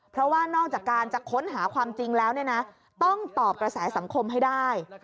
เพราะว่านอกจากการจะค้นหาความจริงแล้วต้องตอบกระแสสังคมให้ได้